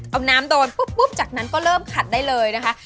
เอาน้ำโดนปุ๊บจากนั้นก็เริ่มขัดได้เลยนะคะ